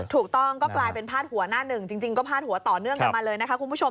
ถูกต้องก็กลายเป็นพาดหัวหน้าหนึ่งจริงก็พาดหัวต่อเนื่องกันมาเลยนะคะคุณผู้ชม